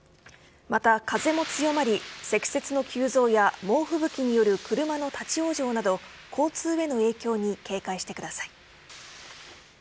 また、風も強まり積雪の急増や猛吹雪による車の立ち往生など交通への影響に警戒してください。